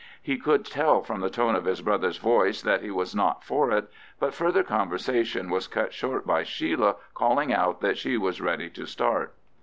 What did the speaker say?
He could tell from the tone of his brother's voice that he was not for it, but further conversation was cut short by Sheila calling out that she was ready to start.